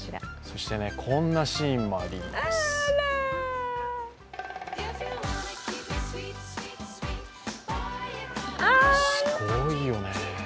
そして、こんなシーンもありますすごいよね。